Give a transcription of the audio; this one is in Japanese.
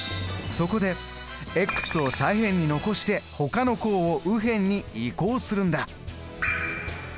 そこでを左辺に残してほかの項を右辺に移項するんだ。